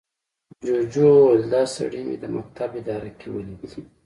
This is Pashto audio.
جوجو وويل، دا سړي مې د مکتب اداره کې ولید.